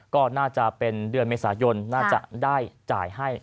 ก็น่าจะเป็นเดือนเมษายนน่าจะได้จ่ายให้